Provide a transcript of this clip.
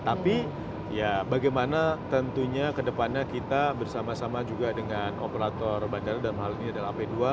tapi ya bagaimana tentunya kedepannya kita bersama sama juga dengan operator bandara dalam hal ini adalah ap dua